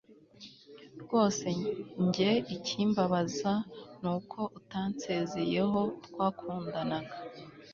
rwose jye ikimbabaza, ni uko utansezeyeho twakundanaga